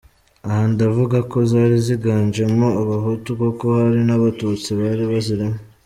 Aha ndavuga ko zari ziganjemo abahutu, kuko hari n’abatutsi bari bazirimo.